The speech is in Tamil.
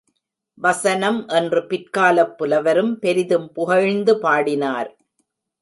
வசனம் என்று பிற்காலப் புலவரும் பெரிதும் புகழ்ந்து பாடினார்.